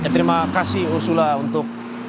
terima kasih usullah untuk